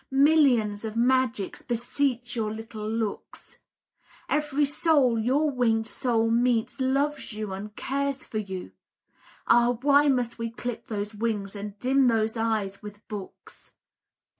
Millions of magics beseech your little looks; Every soul your winged soul meets, loves you and cares for you. Ah! why must we clip those wings and dim those eyes with books?